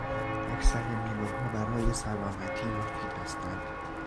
اکثر میوهها برای سلامتی مفید هستند.